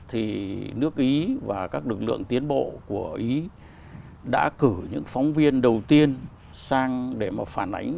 thì nước ý và các lực lượng tiến bộ của ý đã cử những phóng viên đầu tiên sang để mà phản ánh